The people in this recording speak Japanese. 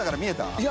いや。